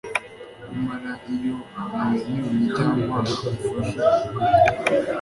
nyamara iyo amwenyuye cyangwa amufashe ukuboko